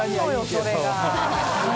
それが。